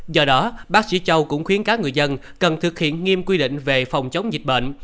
do đó bác sĩ châu cũng khuyến cáo người dân cần thực hiện nghiêm quy định về phòng chống dịch bệnh